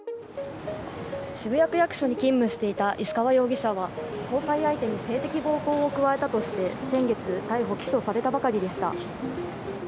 渋谷区役所に勤務していた石川容疑者は交際相手に性的暴行を加えたとして先月逮捕・起訴されたばかりでした。